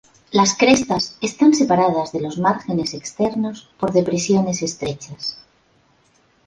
Las crestas están separadas de los márgenes externos por depresiones estrechas.